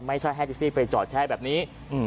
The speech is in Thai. ไม่ใช่ให้ทริสต์ที่ไปจอดแช่แบบนี้